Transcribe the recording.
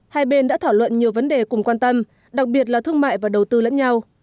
hai bên đã thảo luận nhiều vấn đề cùng quan tâm đặc biệt là thương mại và đầu tư lẫn nhau